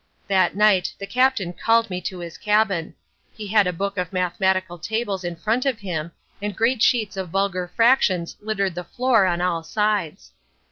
That night the Captain called me to his cabin. He had a book of mathematical tables in front of him, and great sheets of vulgar fractions littered the floor on all sides.